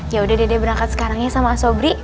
yaudah dede berangkat sekarang ya sama asobri